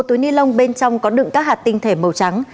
một túi ni lông bên trong có đựng các hạt tinh thể màu trắng